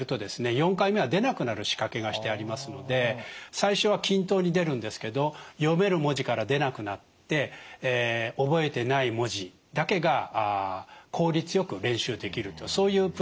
４回目は出なくなる仕掛けがしてありますので最初は均等に出るんですけど読める文字から出なくなって覚えてない文字だけが効率よく練習できるそういうプログラムになっています。